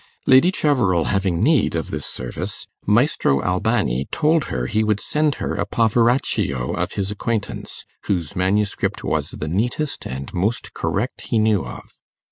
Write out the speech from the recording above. Lady Cheverel having need of this service, Maestro Albani told her he would send her a poveraccio of his acquaintance, whose manuscript was the neatest and most correct he knew of.